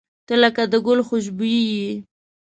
• ته لکه د ګل خوشبويي یې.